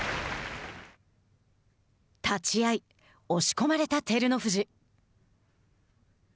立ち合い押し込まれた照ノ富士。